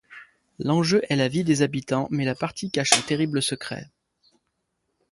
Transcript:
L'enjeu est la vie des habitants, mais la partie cache un terrible secret.